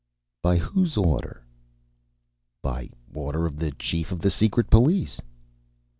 "By whose order?" "By order of the Chief of the Secret Police."